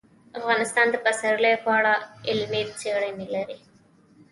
افغانستان د پسرلی په اړه علمي څېړنې لري.